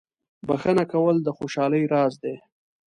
• بخښنه کول د خوشحالۍ راز دی.